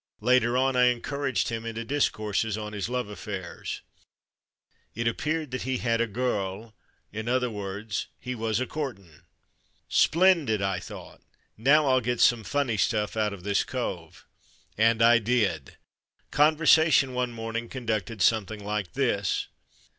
Later on I encouraged him into discourses on his love affairs. It appeared that he had a ''gurl," in other words he was '' a courtin'." '' Splendid !" I thought, ''now I'll get some funny stuff out of this cove." And I did. Conversation one morning conducted something like this.